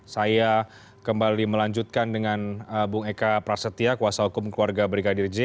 saya kembali melanjutkan dengan bung eka prasetya kuasa hukum keluarga brigadir j